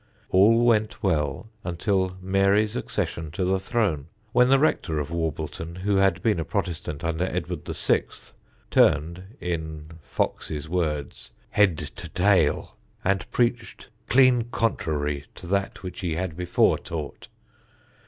All went well until Mary's accession to the throne, when the rector of Warbleton, who had been a Protestant under Edward VI., turned, in Foxe's words, "head to tayle" and preached "clean contrary to that which he had before taught."